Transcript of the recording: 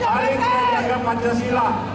mari kita jaga pancasila